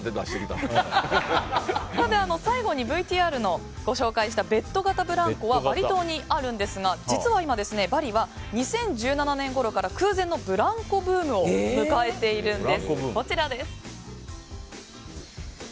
最後にＶＴＲでご紹介したベッド型ブランコはバリ島にあるんですが今、バリは２０１７年ごろから空前のブランコブームを迎えているんです。